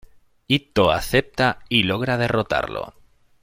Ittō acepta, y logra derrotarlo.